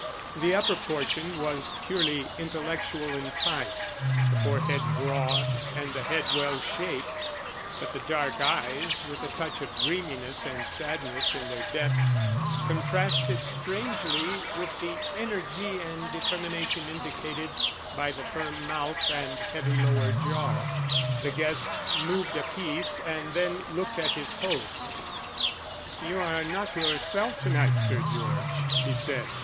The upper portion was purely intellectual in type, the forehead broad, and the head well shaped, but the dark eyes, with a touch of dreaminess and sadness in their depths, contrasted strangely with the energy and determination indicated by the firm mouth and heavy lower jaw. The guest moved a piece and then looked at his host. "You are not yourself to night, Sir George," he said.